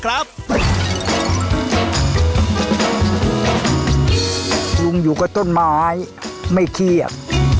ลุงอยู่กับต้นไม้ไม่เครียด